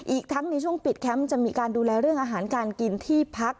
อีกทั้งในช่วงปิดแคมป์จะมีการดูแลเรื่องอาหารการกินที่พัก